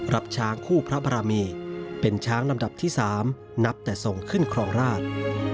รับช้างคู่พระบรมีเป็นช้างลำดับที่๓นับแต่ส่งขึ้นครองราช